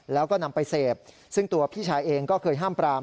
แล้วก็นำไปเสพซึ่งตัวพี่ชายเองก็เคยห้ามปราม